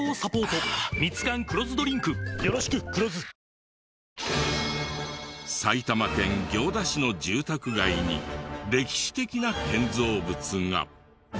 ＪＴ埼玉県行田市の住宅街に歴史的な建造物が。